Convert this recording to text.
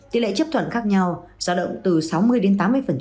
tỷ lệ chấp thuận khác nhau giao động từ sáu mươi đến tám mươi